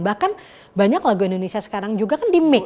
bahkan banyak lagu indonesia sekarang juga kan di make